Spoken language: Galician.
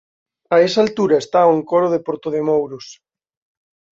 A esa altura está o encoro de Portodemouros.